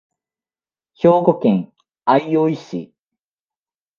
兵庫県相生市